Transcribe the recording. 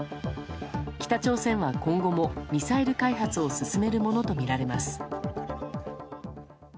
北朝鮮は、今後もミサイル開発を進めるものとみられます。